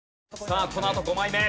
さあこのあと５枚目。